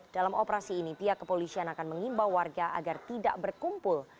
dalam operasi ini pihak kepolisian akan mengimbau warga agar tidak berkumpul